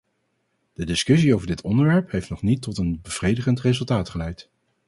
De discussie over dit onderwerp heeft nog niet tot een bevredigend resultaat geleid.